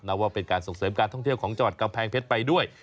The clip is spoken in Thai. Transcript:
ว่าเป็นการส่งเสริมการท่องเที่ยวของจังหวัดกำแพงเพชรไปด้วย